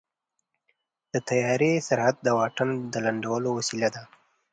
د طیارې سرعت د واټن د لنډولو وسیله ده.